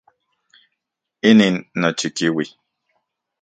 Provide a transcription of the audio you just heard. Inin nochikiui.